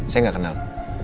saya gak kenal